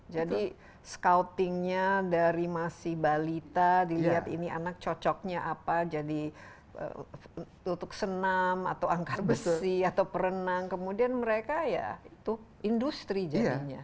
jadi scoutingnya dari masih balita dilihat ini anak cocoknya apa jadi tutup senam atau angkat besi atau perenang kemudian mereka ya itu industri jadinya